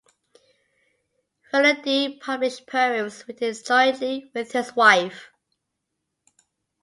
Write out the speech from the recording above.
Faludy published poems written jointly with his wife.